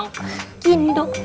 nggak boleh pencet ntar